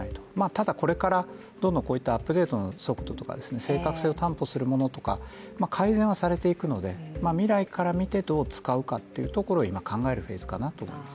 ただ、これからどんどんこういったアップデートのソフトとか正確性を担保するものとか改善はされていくので未来から見てどう使うかというところを今、考えるフェーズかなと思います。